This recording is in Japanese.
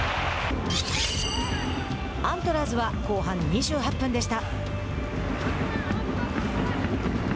アントラーズは、後半２８分でした。